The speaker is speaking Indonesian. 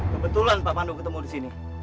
kebetulan pak pandu ketemu disini